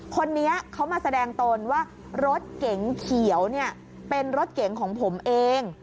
คนนี้เขามาแสดงตนว่ารถเก๋งเขียวเนี่ยเป็นรถเก๋งของผมเอง